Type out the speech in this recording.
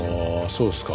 そうですか。